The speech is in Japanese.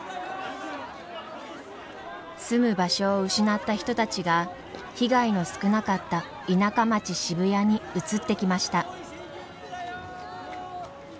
住む場所を失った人たちが被害の少なかった田舎町渋谷に移ってきました。